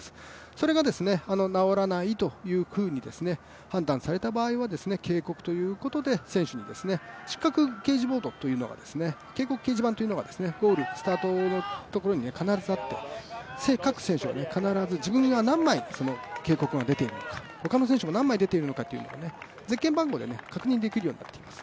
それが直らないというふうに判断された場合には警告ということで、選手に失格掲示ボードというのが、警告掲示板というのが、ゴールスタートのところに必ずあって各選手は必ず自分が何枚警告が出ているのか他の選手が何枚出ているのかゼッケン番号で確認できるようになっています。